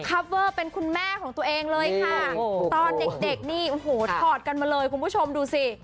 เวอร์เป็นคุณแม่ของตัวเองเลยค่ะตอนเด็กเด็กนี่โอ้โหถอดกันมาเลยคุณผู้ชมดูสิ